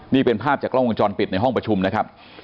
นี่เป็นภาพจากกล้องวงจรปิดในห้องประชุมนะครับ